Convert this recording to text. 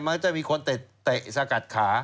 มันก็จะมีคนเตะสกัดขา